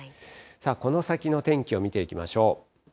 この先の天気を見ていきましょう。